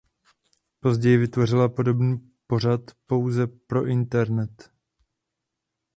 Později vytvořila podobný pořad pouze pro internet.